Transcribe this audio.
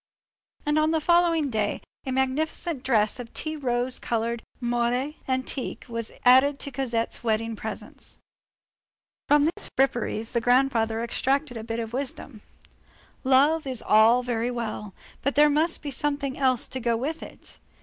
And on the following day, a magnificent dress of tea rose colored moire antique was added to Cosette's wedding presents. From these fripperies, the grandfather extracted a bit of wisdom. "Love is all very well; but there must be something else to go with it.